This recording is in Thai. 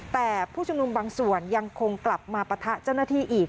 แต่ผู้ชุมนุมบางส่วนยังคงกลับมาปะทะเจ้าหน้าที่อีก